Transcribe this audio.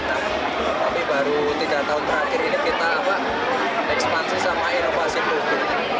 tapi baru tiga tahun terakhir ini kita ekspansi sama inovasi publik